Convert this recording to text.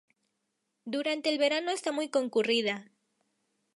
Durante el verano está muy concurrida.